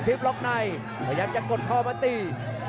นัทิพป์ล๊อคไนยังจะดดข่าวปี